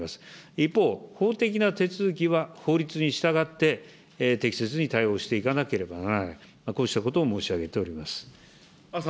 一方、法的な手続きは法律に従って適切に対応していかなければならない、こうしたことを申し上げております。